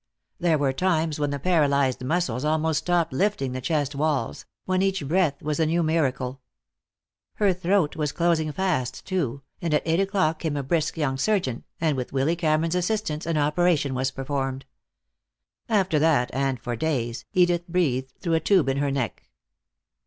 There were times when the paralyzed muscles almost stopped lifting the chest walls, when each breath was a new miracle. Her throat was closing fast, too, and at eight o'clock came a brisk young surgeon, and with Willy Cameron's assistance, an operation was performed. After that, and for days, Edith breathed through a tube in her neck.